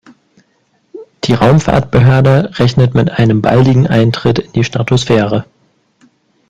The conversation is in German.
Die Raumfahrtbehörde rechnet mit einem baldigen Eintritt in die Stratosphäre.